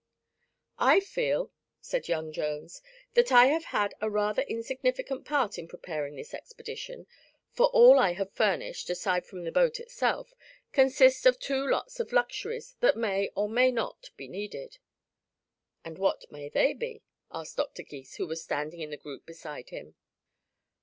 "I feel," said young Jones, "that I have had a rather insignificant part in preparing this expedition, for all I have furnished aside from the boat itself consists of two lots of luxuries that may or may not be needed." "And what may they be?" asked Dr. Gys, who was standing in the group beside him.